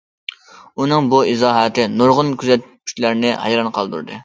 ئۇنىڭ بۇ ئىزاھاتى نۇرغۇن كۆزەتكۈچىلەرنى ھەيران قالدۇردى.